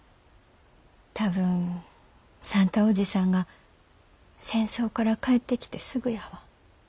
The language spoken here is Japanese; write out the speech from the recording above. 多分算太伯父さんが戦争から帰ってきてすぐやわ。